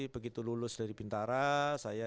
begitu lulus dari bintara saya